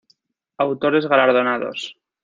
Autores galardonados